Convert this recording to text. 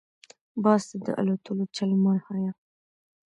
- باز ته دالوتلو چل مه ښیه.